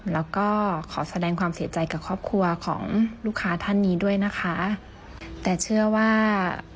แล้วก็ขอแสดงความเสียใจกับครอบครัวของลูกค้าท่านนี้ด้วยนะคะแต่เชื่อว่า